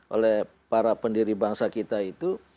oleh para pendiri bangsa kita itu